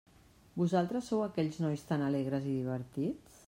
Vosaltres sou aquells nois tan alegres i divertits?